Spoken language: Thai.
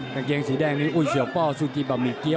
กางเกงสีแดงนี่อุ้ยเฉียวป้อซูกิบะหมี่เกี้ย